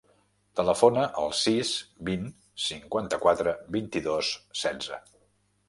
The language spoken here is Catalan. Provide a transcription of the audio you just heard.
Telefona al sis, vint, cinquanta-quatre, vint-i-dos, setze.